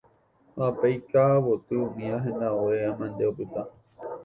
ha pe ika'avoty umíva, hendague mante opyta